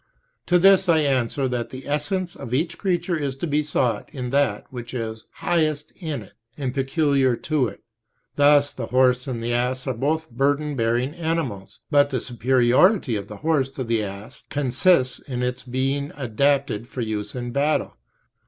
To this I answer that the essence of each creature is to be sought in that which is highest in it and peculiar to it. Thus the horse and the ass are both burden bearing animals, but the superiority of the horse to the ass consists in its being adapted for use in battle.